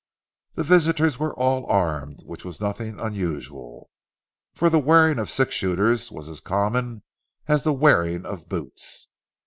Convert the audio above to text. The visitors were all armed, which was nothing unusual, for the wearing of six shooters was as common as the wearing of hoots.